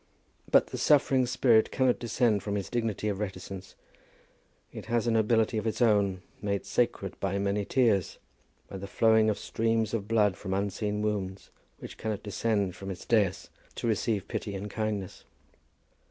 But the suffering spirit cannot descend from its dignity of reticence. It has a nobility of its own, made sacred by many tears, by the flowing of streams of blood from unseen wounds, which cannot descend from its daïs to receive pity and kindness.